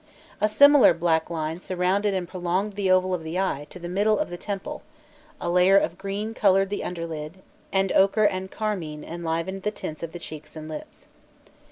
A similar black line surrounded and prolonged the oval of the eye to the middle of the temple, a layer of green coloured the under lid, and ochre and carmine enlivened the tints of the cheeks and lips.